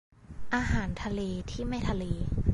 อาหารทะเลที่ไม่ทะเล